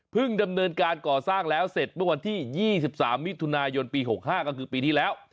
ดำเนินการก่อสร้างแล้วเสร็จเมื่อวันที่๒๓มิถุนายนปี๖๕ก็คือปีที่แล้ว